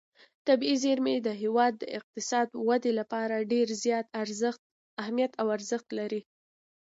طبیعي زیرمې د هېواد د اقتصادي ودې لپاره ډېر زیات اهمیت او ارزښت لري.